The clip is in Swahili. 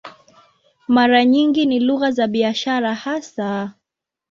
Mara nyingi ni lugha za biashara hasa.